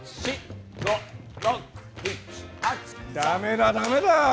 ダメだダメだ。